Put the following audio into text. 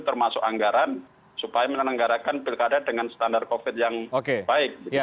termasuk anggaran supaya menelenggarakan bilkada dengan standar covid sembilan belas yang baik